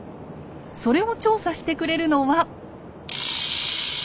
それを調査してくれるのは。